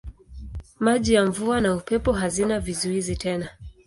Maji ya mvua na upepo hazina vizuizi tena.